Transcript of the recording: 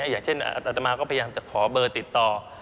อย่างเช่นอัตมาก็พยายามจะขอเบอร์ติดต่อ